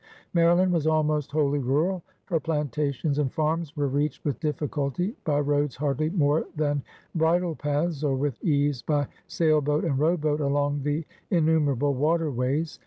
Mary land was almost wholly rural; her plantations and farms were reached with difficulty by roads hardly more than bridle paths, or with ease by sailboat and rowboat along the innumerable waterways.